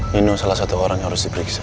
nino salah satu orang yang harus diperiksa